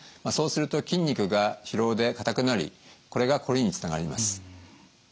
そうすると筋肉が疲労で硬くなりこれがこりにつながります。